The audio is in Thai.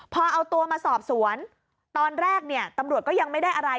พอเอาตัวมาสอบสวนตอนแรกเนี่ยตำรวจก็ยังไม่ได้อะไร